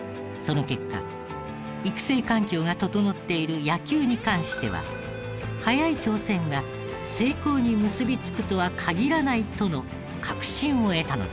その結果育成環境が整っている野球に関しては早い挑戦が成功に結びつくとは限らないとの確信を得たのです。